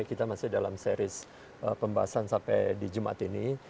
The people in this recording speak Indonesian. kita masih dalam series pembahasan sampai di jumat ini